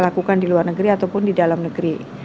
lakukan di luar negeri ataupun di dalam negeri